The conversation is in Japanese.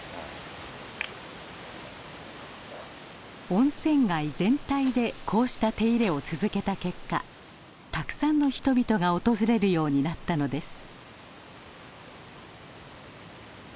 温泉街全体でこうした手入れを続けた結果たくさんの人々が訪れるようになったのです。